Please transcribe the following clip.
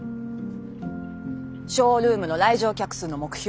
ショールームの来場客数の目標